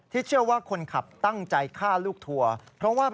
เชื่อว่าคนขับตั้งใจฆ่าลูกทัวร์เพราะว่า